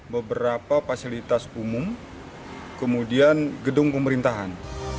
beberapa fasilitas umum kemudian gedung pemerintahan